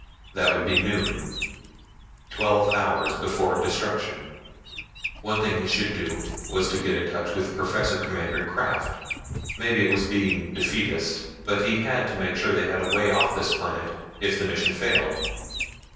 That would be noon twelve hours before destruction. One thing he should do was to get in touch with Professor Commander Krafft. Maybe it was being defeatist, but he had to make sure that they had a way off this planet if the mission failed.